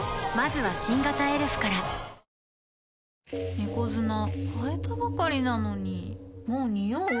猫砂替えたばかりなのにもうニオう？